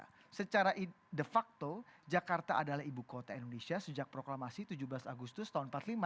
hindia belanda secara de facto jakarta adalah ibu kota indonesia sejak proklamasi tujuh belas agustus tahun empat puluh lima